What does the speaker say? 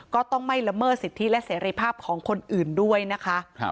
ก็ต้องไม่ละเมิดสิทธิและเสรีภาพของคนอื่นด้วยนะคะ